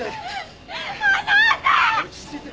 落ち着いて。